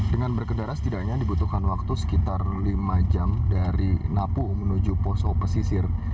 dengan berkendara setidaknya dibutuhkan waktu sekitar lima jam dari napu menuju poso pesisir